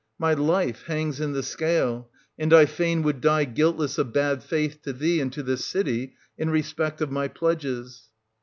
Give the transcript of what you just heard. My life hangs in the scale : and I fain would die guiltless of bad faith to thee and to this city, in respect of my pledges.